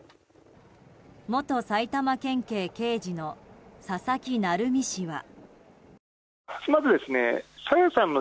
元埼玉県警刑事の佐々木成三氏は。